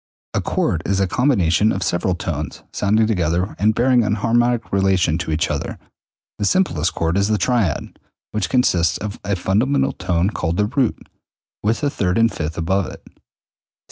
A chord is a combination of several tones sounding together and bearing an harmonic relation to each other. The simplest chord is the triad, which consists of a fundamental tone called the root, with the third and fifth above it.